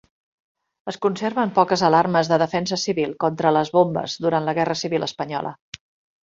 Es conserven poques alarmes de defensa civil contra les bombes durant la Guerra Civil Espanyola.